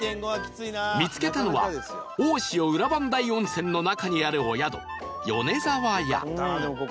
見つけたのは大塩裏磐梯温泉の中にあるお宿米澤屋